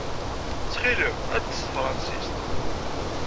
Ttxil-m, err-d s tefṛensist.